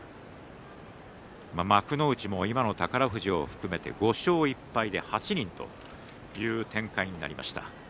幕内も今の宝富士を含めて５勝１敗で８人という展開になりました。